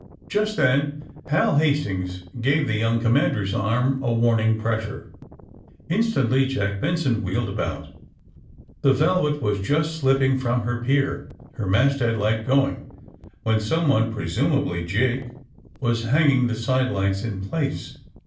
'' Jnst then Hal Hastings gave the young com mander's arm a warning pressure. Instantly Jack Benson wheeled about. The ''Velvet" was just slipping from her pier, her masthead light going, while someone, presum ably Jake, was hanging the sidelights in place.